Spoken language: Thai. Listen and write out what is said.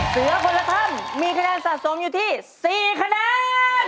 เสือคนละท่านมีคะแนนสะสมอยู่ที่๔คะแนน